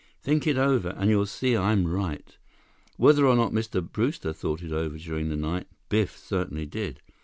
Think it over, and you'll see I'm right." Whether or not Mr. Brewster thought it over during the night, Biff certainly did.